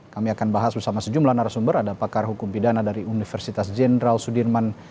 kami akan bahas bersama sejumlah narasumber ada pakar hukum pidana dari universitas jenderal sudirman